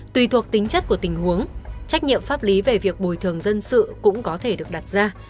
tùy thuộc tính chất của tình huống trách nhiệm pháp lý về việc bồi thường dân sự cũng có thể được đặt ra